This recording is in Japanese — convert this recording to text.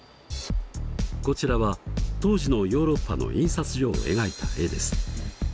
こちらは当時のヨーロッパの印刷所を描いた絵です。